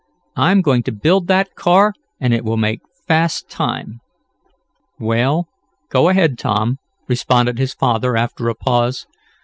I'm going to build that car, and it will make fast time." "Well, go ahead, Tom," responded his father, after a pause.